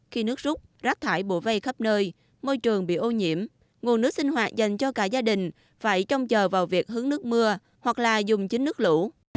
khi nước rút rác thải bổ vây khắp nơi môi trường bị ô nhiễm nguồn nước sinh hoạt dành cho cả gia đình phải trông chờ vào việc hướng nước mưa hoặc là dùng chính nước lũ